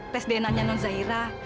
tes dna nya non zairah